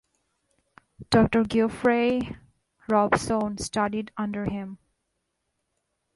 Dr Geoffrey Robson studied under him.